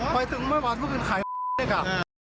ไปถึงเมื่อวานก็เป็นขายเลยค่ะ